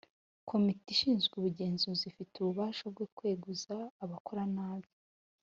Komite ishinzwe ubugenzuzi ifite ububasha bwo kweguza abakora nabi